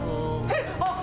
えっ！